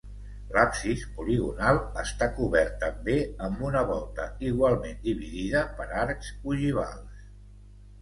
L'absis, poligonal, està cobert també amb una volta igualment dividida per arcs ogivals.